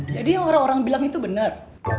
jadi yang orang orang bilang itu benar